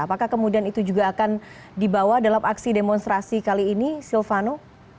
apakah kemudian itu juga akan dibawa dalam aksi demonstrasi kali ini silvano